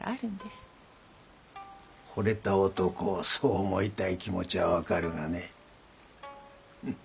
ほれた男をそう思いたい気持ちは分かるがねフッ。